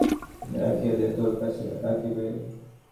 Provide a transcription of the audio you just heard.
তুই রাখিয়া দে, তোর কাজে লাগিবে।